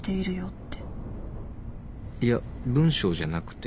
いや文章じゃなくて。